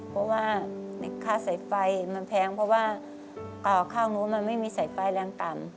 เพราะว่าค่าใส่ไฟมันแพงเพราะว่าข้าวนู้นมันไม่มีสายไฟแรงต่ำ